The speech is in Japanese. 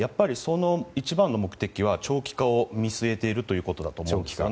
一番の目的は長期化を見据えているということだと思います。